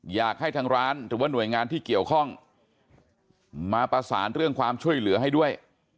อยากให้ทางร้านหรือว่าหน่วยงานที่เกี่ยวข้องมาประสานเรื่องความช่วยเหลือให้ด้วย